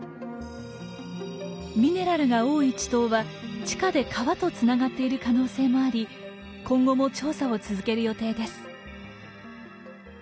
ミネラルが多い池溏は地下で川とつながっている可能性もあり今後も調査を続ける予定です。